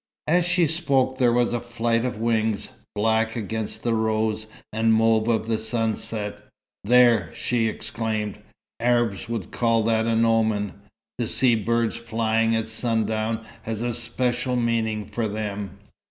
As she spoke there was a flight of wings, black against the rose and mauve of the sunset. "There!" she exclaimed. "Arabs would call that an omen! To see birds flying at sundown has a special meaning for them.